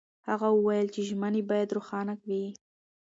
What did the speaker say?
هغه وویل چې ژمنې باید روښانه وي.